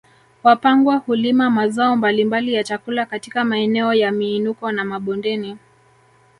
Wapangwa hulima mazao mbalimbali ya chakula katika maeneo ya miinuko na mabondeni